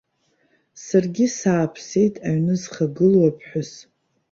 Саргьы сааԥсеит, аҩны зхагылоу аԥҳәыс.